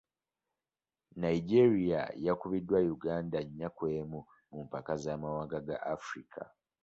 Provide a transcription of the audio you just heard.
Nigeria yakubiddwa Uganda nnya ku emu mu mpaka z'amawanga ga Africa.